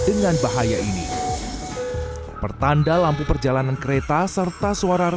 dengan bahaya ini pertanda lampu perjalanan kereta serta suara